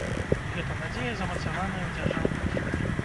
Гэта надзея замацаваная ў дзяржаўным гімне.